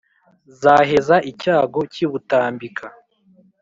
zaheza icyago cy'i butambika